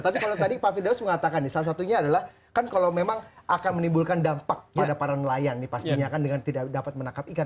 tapi kalau tadi pak firdaus mengatakan nih salah satunya adalah kan kalau memang akan menimbulkan dampak pada para nelayan nih pastinya kan dengan tidak dapat menangkap ikan